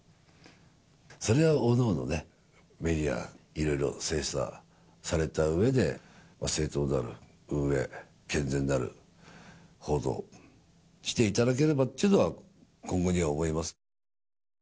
それは各々ね、メディアがいろいろ精査されたうえで、正当なる運営、健全なる報道していただければっていうのは、今後には思います。